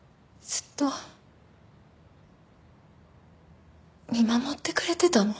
ずっと見守ってくれてたの？